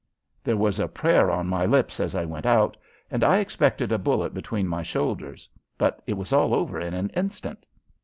There was a prayer on my lips as I went out and I expected a bullet between my shoulders, but it was all over in an instant.